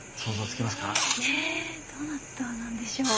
えどなたなんでしょう？